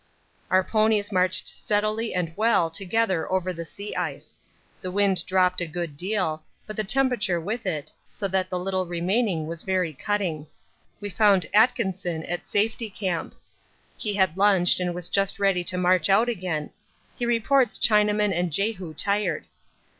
Our ponies marched steadily and well together over the sea ice. The wind dropped a good deal, but the temperature with it, so that the little remaining was very cutting. We found Atkinson at Safety Camp. He had lunched and was just ready to march out again; he reports Chinaman and Jehu tired.